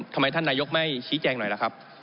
ทำไมท่านนายกไม่ชี้แจงหน่อยล่ะครับ